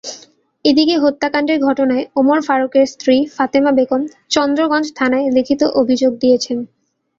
এদিকে হত্যাকাণ্ডের ঘটনায় ওমর ফারুকের স্ত্রী ফাতেমা বেগম চন্দ্রগঞ্জ থানায় লিখিত অভিযোগ দিয়েছেন।